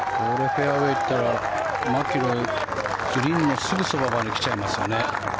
フェアウェーに行ったらマキロイグリーンのすぐそばまで来ちゃいますよね。